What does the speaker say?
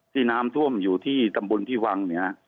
ที่น้ำท่วมอยู่ที่ตำบลที่วังเหนือ